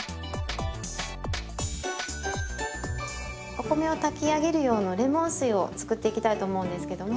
お米を炊き上げる用のレモン水を作っていきたいと思うんですけども。